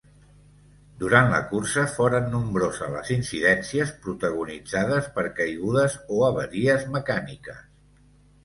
Durant la cursa foren nombroses les incidències protagonitzades per caigudes o avaries mecàniques.